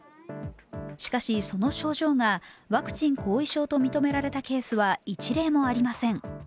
しかし、その症状がワクチン後遺症と認められたケースは一例もありません。